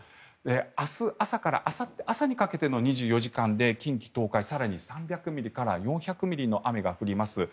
明日朝からあさって朝にかけての２４時間で近畿・東海、更に３００ミリから４００ミリの雨が降ります。